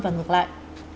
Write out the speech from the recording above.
và ngược lại